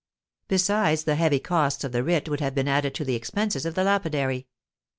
Besides, the heavy costs of the writ would have been added to the expenses of the lapidary.